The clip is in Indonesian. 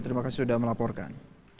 terima kasih sudah melaporkan